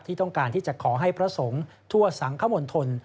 ที่ต้องการที่จะขอให้พระสงค์ทั่วสังขมนธล